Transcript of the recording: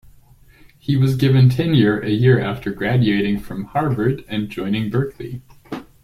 He was given tenure a year after graduating from Harvard and joining Berkeley.